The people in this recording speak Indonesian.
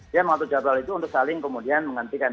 dia mengatur jadwal itu untuk saling kemudian menghentikan